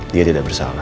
dia tidak bersalah